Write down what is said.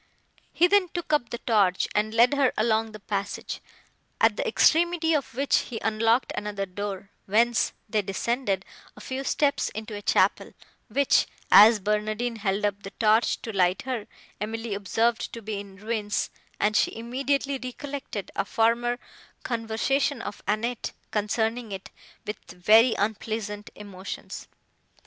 He then took up the torch, and led her along the passage, at the extremity of which he unlocked another door, whence they descended, a few steps, into a chapel, which, as Barnardine held up the torch to light her, Emily observed to be in ruins, and she immediately recollected a former conversation of Annette, concerning it, with very unpleasant emotions.